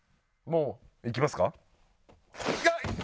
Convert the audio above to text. もういきますか？